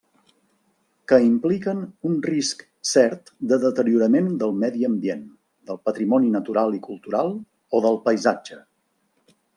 Que impliquen un risc cert de deteriorament del medi ambient, del patrimoni natural i cultural o del paisatge.